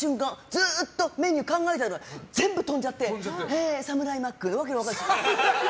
ずっとメニュー考えてたのに飛んじゃってサムライマックって訳の分からない。